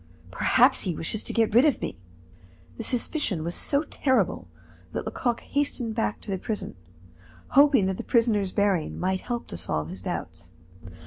Perhaps he wishes to get rid of me." This suspicion was so terrible that Lecoq hastened back to the prison, hoping that the prisoner's bearing might help to solve his doubts.